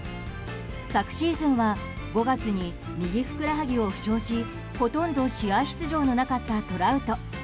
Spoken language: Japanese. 昨シーズンは５月に右ふくらはぎを負傷しほとんど試合出場のなかったトラウト。